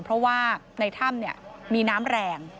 เพราะว่าในถ้ำมีน้ำแรง